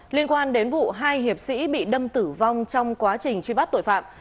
liên quan đến vụ hai hiệp sĩ bị đâm tử vong trong quá trình truy bắt tội phạm